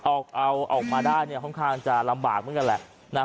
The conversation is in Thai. เอาออกมาได้เนี่ยค่อนข้างจะลำบากเหมือนกันแหละ